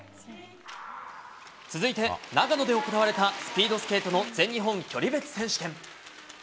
続いて、長野で行われたスピードスケートの全日本距離別選手権。